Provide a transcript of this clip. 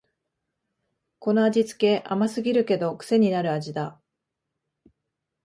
この味つけ、甘すぎるけどくせになる味だ